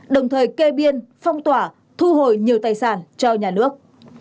đồng thời kê biên phong tỏa thu hồi nhiều tài sản cho nhà nước